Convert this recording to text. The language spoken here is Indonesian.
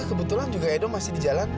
kebetulan juga edo masih di jalan